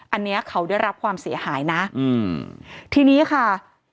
อันนี้เขาได้รับความเสียหายนะอืมทีนี้ค่ะ